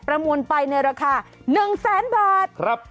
ประมูลไปในราคา๑๐๐๐๐๐บาทครับ